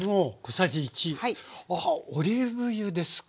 あっオリーブ油ですか。